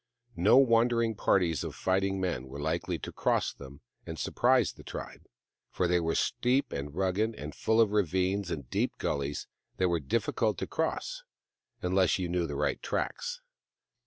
No wandering parties of fighting men were likely to cross them and surprise the tribe, for they were steep and rugged and full of ravines and deep gullies that were difficult to cross, unless you knew the right tracks.